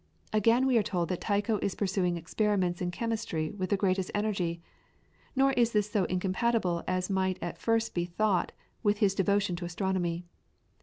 Again we are told that Tycho is pursuing experiments in chemistry with the greatest energy, nor is this so incompatible as might at first be thought with his devotion to astronomy.